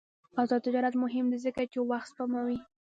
آزاد تجارت مهم دی ځکه چې وخت سپموي.